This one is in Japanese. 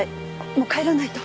もう帰らないと。